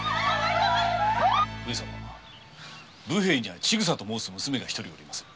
武兵衛には千草と申す娘がおりまする。